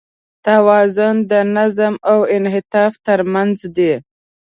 توازن د نظم او انعطاف تر منځ دی.